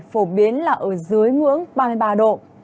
phổ biến là ở dưới ngưỡng ba mươi ba độ